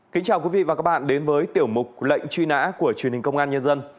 kính chào quý vị và các bạn đến với tiểu mục lệnh truy nã của truyền hình công an